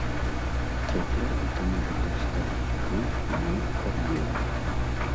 Цяпер гэта можа паставіць крыж на іх кар'еры.